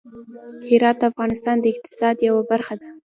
هرات د افغانستان د اقتصاد یوه برخه ده.